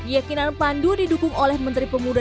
yakinan pandu didukung oleh menteri pemuda